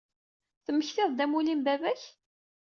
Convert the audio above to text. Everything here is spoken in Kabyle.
Temmektid-d amulli n baba-k?